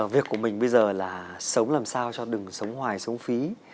việc của mình bây giờ là sống làm sao cho đừng sống hoài sống phí